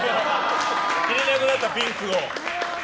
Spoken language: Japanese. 着れなくなった、ピンクを。